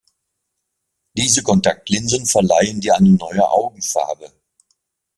Diese Kontaktlinsen verleihen dir eine neue Augenfarbe.